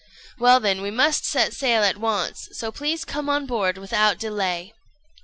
] "Well, then, we must set sail at once, so please come on board without delay."